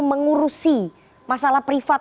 mengurusi masalah privat